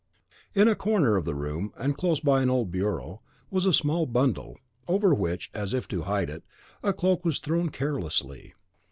In a corner of the room, and close by an old bureau, was a small bundle, over which, as if to hide it, a cloak was thrown carelessly.